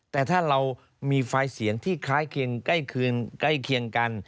แต่ถ้าเรามีไฟล์เสียงที่คล้ายเคียงใกล้คืนใกล้เคียงกัน